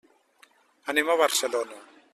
Anem a Barcelona.